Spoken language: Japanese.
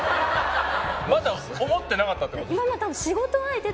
まだ思ってなかったってこと？